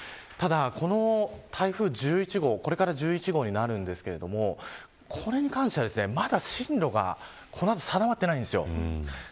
この台風１１号はこれから１１号になりますがこれに関してはまだ進路が定まっていません。